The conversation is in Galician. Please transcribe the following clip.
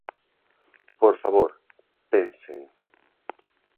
Por favor, pensen.